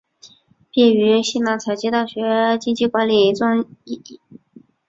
毕业于西南财经大学经济管理专业。